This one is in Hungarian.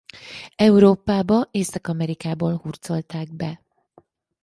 Európába Észak-Amerikából hurcolták be.